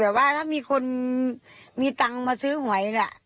แต่ว่าถ้ามีคนมีตังค์มาซื้อหวยน่ะ